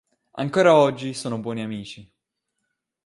Ancora oggi sono buoni amici.